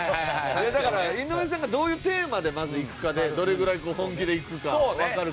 だから井上さんがどういうテーマでまずいくかでどれぐらい本気でいくかわかるかもしれない。